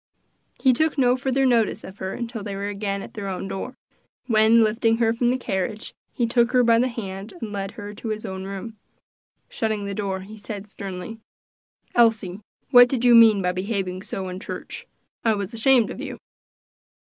He took no further notice of her until they were again at their own door, when, lifting her from the carriage, he took her by the hand and led her to his own room. Shutting the door, he said sternly, "Elsie, what did you mean by behaving so in church? I was ashamed of you."